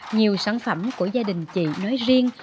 nhiều sản phẩm của gia đình chị nói riêng